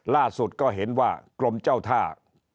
ล่าสุดก็เห็นว่ากรมเจ้าท่า